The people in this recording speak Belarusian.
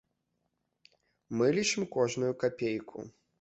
Мы лічым кожную капейку.